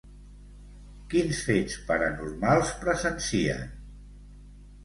Quins fets paranormals presencien?